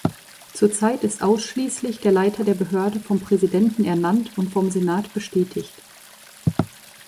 Zurzeit ist ausschließlich der Leiter der Behörde vom Präsidenten ernannt und vom Senat bestätigt.